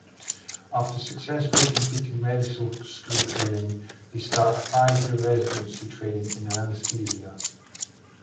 After successfully completing medical school training, they start a five-year residency training in anaesthesia.